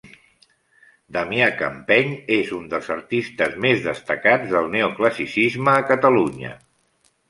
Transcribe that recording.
Damià Campeny és un dels artistes més destacats del neoclassicisme a Catalunya.